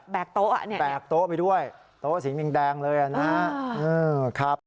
แบกโต๊ะเนี่ยแบกโต๊ะไปด้วยโต๊ะสีนิ่งแดงเลยนะครับ